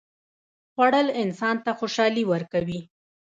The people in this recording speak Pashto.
خوړل انسان ته خوشالي ورکوي